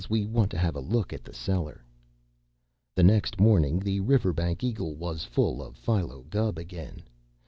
We want to have a look at the cellar." The next morning the "Riverbank Eagle" was full of Philo Gubb again.